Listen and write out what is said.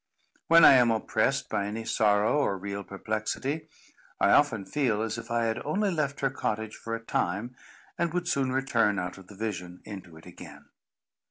When I am oppressed by any sorrow or real perplexity, I often feel as if I had only left her cottage for a time, and would soon return out of the vision, into it again.